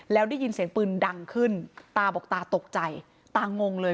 แล้วได้ยินเสียงปืนดังขึ้นตาบอกตาตกใจตางงเลย